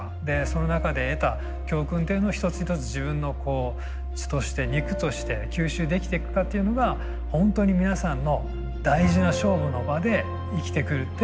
その中で得た教訓っていうのを一つ一つ自分の血として肉として吸収できてくかっていうのがホントに皆さんの大事な勝負の場で生きてくるって